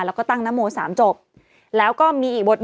เราก็ตั้งน้ำโมสามจบแล้วก็มีอีกบทนึง